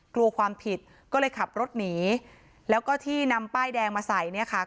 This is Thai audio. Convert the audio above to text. กลัวความผิดก็เลยขับรถหนีแล้วก็ที่นำป้ายแดงมาใส่เนี่ยค่ะ